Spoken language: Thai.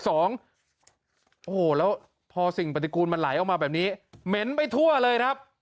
โอ้โหแล้วพอสิ่งปฏิกูลมันไหลออกมาแบบนี้เหม็นไปทั่วเลยครับ